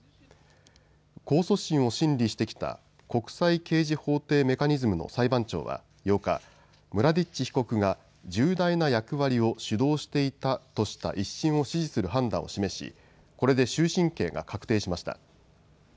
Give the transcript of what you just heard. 控訴審を審理してきた国際刑事法廷メカニズムの裁判長は８日、ムラディッチ被告が重大な役割を主導していたとした１審を支持する判断を示しこれで終身刑が確定しました。